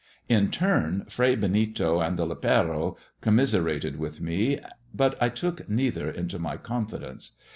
In turn Fray Benito and the lepero commiserated with me, but I took neither into my confidence.